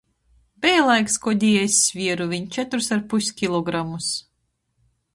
Beja laiks, kod i es svieru viņ četrus ar pus kilogramus...